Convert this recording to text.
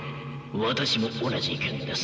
私も同じ意見です。